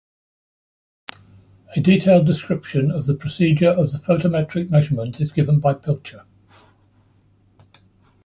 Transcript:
A detailed description of the procedure of the photometric measurement is given by Pilcher.